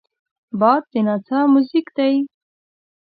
باد د نڅا موزیک دی